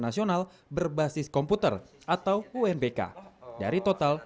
nasional berbasis komputer yang terkait dengan komputer yang diperlukan untuk mencari komputer